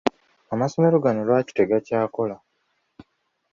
Amasomero gano lwaki tegakyakola?